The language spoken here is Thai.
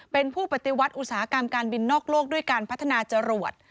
เป็นผู้ปฏิวัติอุตสาหกรรมการบินนอกโลกด้วยการพัฒนาจรวด